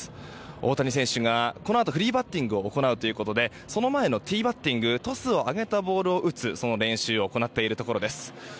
大谷選手がこのあとフリーバッティングを行うということでその前のティーバッティングトスを上げたボールを打つ練習を行っているところです。